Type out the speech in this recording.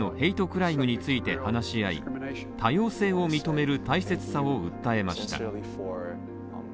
クライムについて話し合い、多様性を認める大切さを訴えました。